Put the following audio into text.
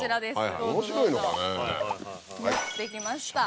どうぞ持ってきました。